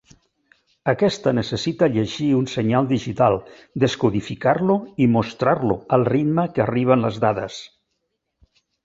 Aquesta necessita llegir un senyal digital, descodificar-lo i mostrar-lo al ritme que arriben les dades.